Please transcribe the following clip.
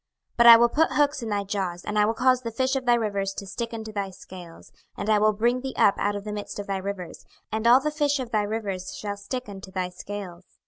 26:029:004 But I will put hooks in thy jaws, and I will cause the fish of thy rivers to stick unto thy scales, and I will bring thee up out of the midst of thy rivers, and all the fish of thy rivers shall stick unto thy scales.